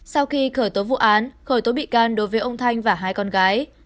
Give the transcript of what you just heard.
sau khi khởi tố vụ án khởi tố bị can đối với ông thanh và hai con gái